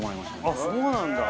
あっそうなんだ！